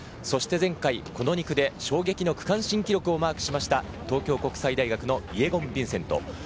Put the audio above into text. そして前回、この２区で衝撃の区間新記録をマークしました東京国際大学のイェゴン・ヴィンセント。